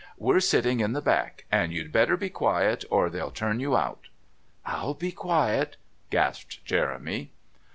We're sitting in the back and you'd better be quiet or they'll turn you out." "I'll be quiet," gasped Jeremy.